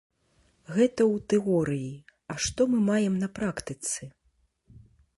Гэта ў тэорыі, а што мы маем на практыцы?